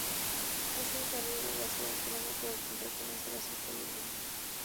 Ese desarrollo debe ser autónomo, por el contrario, no será sostenible.